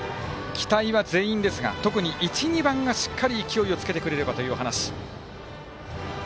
期待は全員ですが特に１、２番がしっかり勢いをつけてくれればという話。